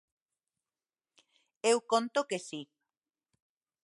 Eu conto que si.